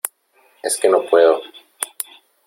es que no puedo .